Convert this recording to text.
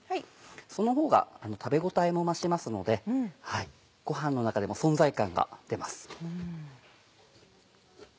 そのほうが食べ応えも増しますのでご飯の中でも存在感が出ます。